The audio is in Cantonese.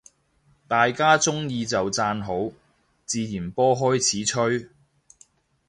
大家鍾意就讚好，自然波開始吹